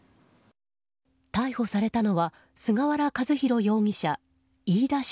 逮捕されたのは菅原和宏容疑者、飯田翔